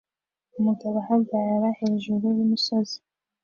Umugabo ahagarara hejuru yumusozi